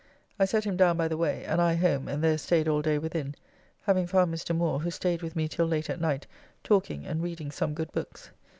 I set him down by the way, and I home and there staid all day within, having found Mr. Moore, who staid with me till late at night talking and reading some good books.